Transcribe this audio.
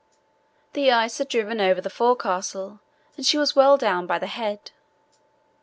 The ice had driven over the forecastle and she was well down by the head.